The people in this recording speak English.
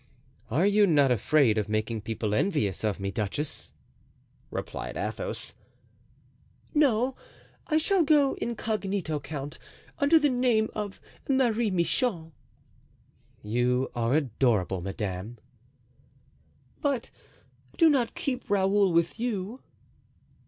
"Are you not afraid of making people envious of me, duchess?" replied Athos. "No, I shall go incognito, count, under the name of Marie Michon." "You are adorable, madame." "But do not keep Raoul with you."